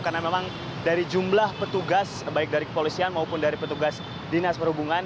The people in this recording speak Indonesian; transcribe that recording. karena memang dari jumlah petugas baik dari kepolisian maupun dari petugas dinas perhubungan